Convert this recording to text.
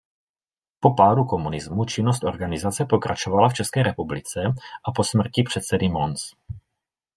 Po pádu komunismu činnost organizace pokračovala v České republice a po smrti předsedy Mons.